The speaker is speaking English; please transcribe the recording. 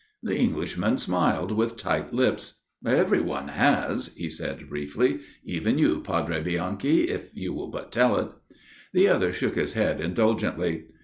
The Englishman smiled with tight lips. " Every one has," he said briefly. " Even you, Padre Bianchi, if you will but tell it." The other shook his head indulgently.